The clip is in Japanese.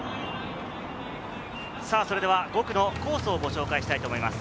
それでは５区のコースをご紹介したいと思います。